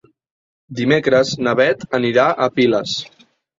Dimecres na Beth anirà a Piles.